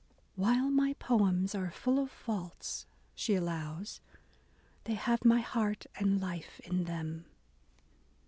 While my poems are full of faults," she allows, ... they have my heart and life iu them."